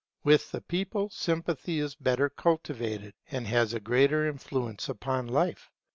With the people sympathy is better cultivated, and has a greater influence upon life.